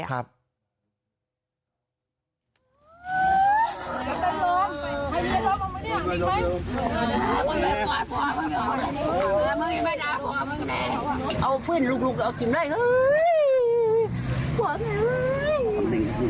โอ้โฮนี่คือพอทางภรรยาผู้ตายแม่ผู้ก่อเหตุ